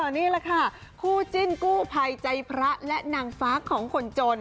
นี่แหละค่ะคู่จิ้นกู้ภัยใจพระและนางฟ้าของคนจน